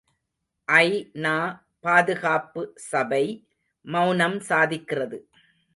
ஐ.நா. பாதுகாப்பு சபை மெளனம் சாதிக்கிறது.